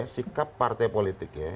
sikap partai politiknya